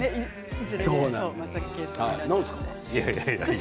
何ですか？